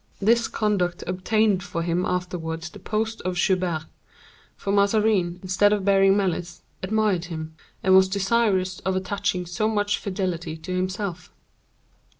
This conduct obtained for him afterwards the post of Joubert; for Mazarin, instead of bearing malice, admired him, and was desirous of attaching so much fidelity to himself.